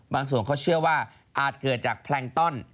บางส่วนเขาเชื่อว่าอาจเกิดจากแพลงต้อน